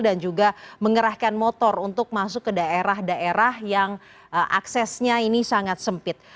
dan juga menggerahkan motor untuk masuk ke daerah daerah yang aksesnya ini sangat sempit